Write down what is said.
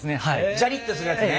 ジャリッとするやつね。